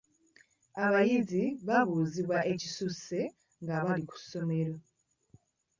Abayizi babuuzibwa ekisusse nga bali ku ssomero.